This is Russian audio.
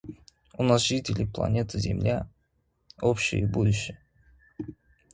У нас, жителей планеты Земля, общее будущее.